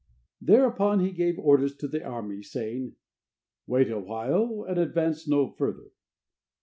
Thereupon he gave orders to the army, saying: "Wait a while and advance no further."